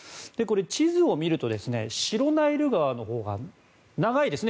地図を見ると白ナイル川のほうが長いですね。